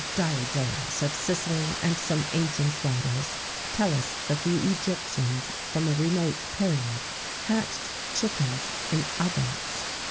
[XVII 29] Diodorus of Sicily, and some ancient writers, tell us that the Egyptians, from a remote period, hatched chickens in ovens.